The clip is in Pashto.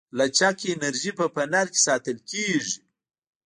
لچک انرژي په فنر کې ساتل کېږي.